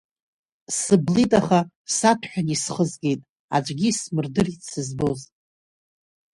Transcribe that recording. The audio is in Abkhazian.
Сыблит аха, саҭәҳәан исхызгеит, аӡәгьы исмырдырит сызбоз!